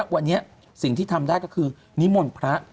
วันนี้สิ่งที่ทำได้ก็คือนิมนต์พระ